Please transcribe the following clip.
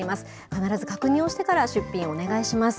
必ず確認をしてから出品をお願いします。